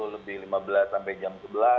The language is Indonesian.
lebih lima belas sampai jam sebelas